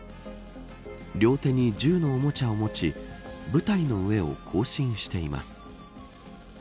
両手に銃のおもちゃを持ち舞台の上を行進しています。